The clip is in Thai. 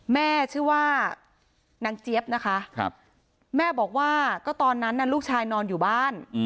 แม่ชื่อว่านางเจี๊ยบนะคะแม่บอกว่าก็ตอนนั้นลูกชายนอนอยู่บ้าน